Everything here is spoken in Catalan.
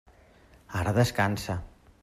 Ara descansa.